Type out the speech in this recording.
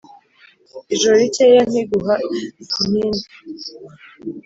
Ijoro rikeya nkiguha inkindi